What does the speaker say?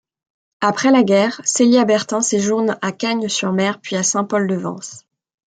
Après la guerre, Célia Bertin séjourne à Cagnes-sur-Mer, puis à Saint-Paul-de-Vence.